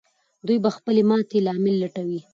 دوی به د خپلې ماتې لامل لټوي.